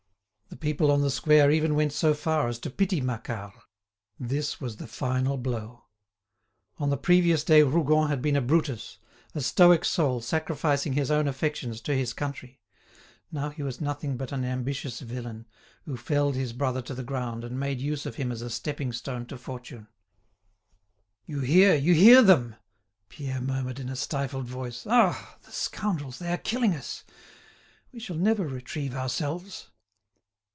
The people on the square even went so far as to pity Macquart. This was the final blow. On the previous day Rougon had been a Brutus, a stoic soul sacrificing his own affections to his country; now he was nothing but an ambitious villain, who felled his brother to the ground and made use of him as a stepping stone to fortune. "You hear, you hear them?" Pierre murmured in a stifled voice. "Ah! the scoundrels, they are killing us; we shall never retrieve ourselves."